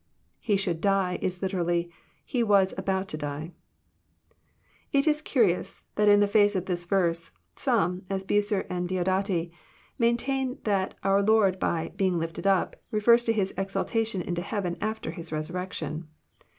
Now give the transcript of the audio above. He should die," Is literally, He was " about to die." It is curious that, in the face of this verse, some, as Bucer and Dlodati, maintain that our Lord by '' being lifted up," refers to His exaltation into heaven after His resurrection.